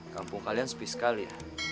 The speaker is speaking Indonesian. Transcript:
kampung kalian sepi sekali